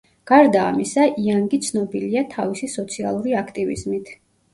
გარდა ამისა, იანგი ცნობილია თავისი სოციალური აქტივიზმით.